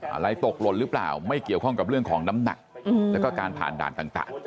อะไรตกหล่นหรือเปล่าไม่เกี่ยวข้องกับเรื่องของน้ำหนักแล้วก็การผ่านด่านต่าง